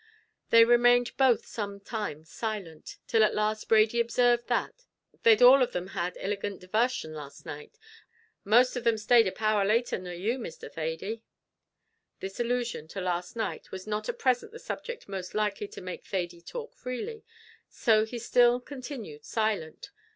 They remained both some time silent, till at last Brady observed that, "They'd all of them had ilegant divarsion last night most of them stayed a power later nor you, Mr. Thady." This allusion to last night was not at present the subject most likely to make Thady talk freely, so he still continued silent.